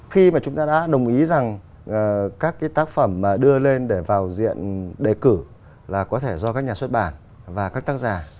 khi mà chúng ta đã đồng ý rằng các cái tác phẩm mà đưa lên để vào diện đề cử là có thể do các nhà xuất bản và các tác giả